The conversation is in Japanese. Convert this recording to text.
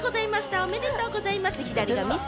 おめでとうございます。